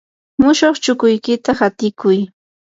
mushuq chukuykita hatikuy.